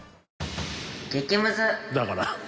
「だから」